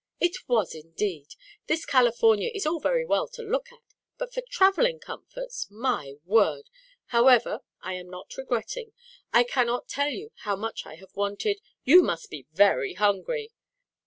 "It was, indeed. This California is all very well to look at, but for travelling comforts my word! However, I am not regretting. I cannot tell you how much I have wanted " "You must be very hungry.